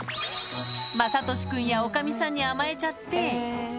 雅功君や女将さんに甘えちゃって。